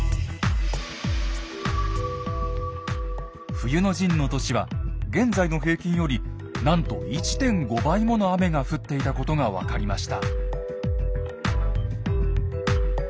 冬の陣の年は現在の平均よりなんと１．５倍もの雨が降っていたことが分かりました。